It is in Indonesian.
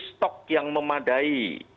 stok yang memadai